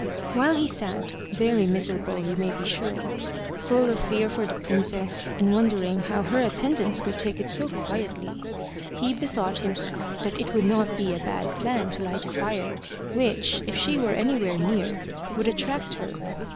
While he sat very miserable, you may be sure full of fear for the princess, and wondering how her attendants could take it so quietly, he bethought himself that it would not be a bad plan to light a fire, which, if she were anywhere near, would attract her.